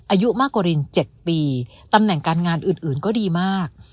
อายุมากกว่าริน๗ปีตำแหน่งการงานอื่นก็ดีมาก